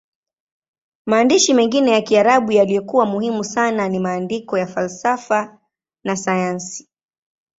Maandishi mengine ya Kiarabu yaliyokuwa muhimu sana ni maandiko ya falsafa na sayansi.